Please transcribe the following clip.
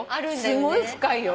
すごい深いよ